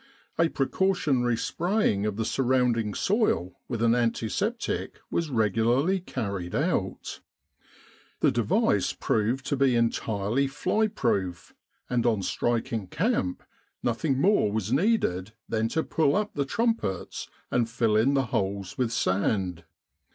A precautionary spraying of the surrounding soil with an antiseptic was regularly carried out. The device proved to be entirely fly proof, and on striking camp, nothing more was needed than to pull up the trumpets and fill in the holes with sand.